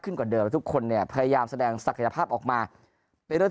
กว่าเดิมแล้วทุกคนเนี่ยพยายามแสดงศักยภาพออกมาเป็นเรื่อง